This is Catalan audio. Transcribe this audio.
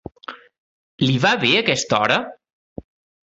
Li va bé aquesta hora?